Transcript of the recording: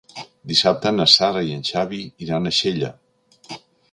Dissabte na Sara i en Xavi iran a Xella.